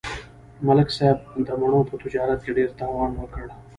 ملک صاحب د مڼو په تجارت کې ډېر تاوان وکړ.